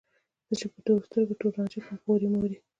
زه چې په تورو سترګو تور رانجه کړم پورې مورې